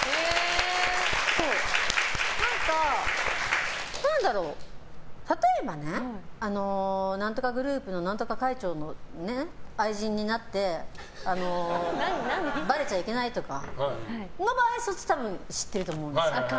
何か、例えばね何とかグループの何とか会長の愛人になってばれちゃいけないとかその場合そっちを知ってると思うんです。